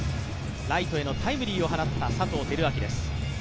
ライトへのタイムリーを放った佐藤輝明です。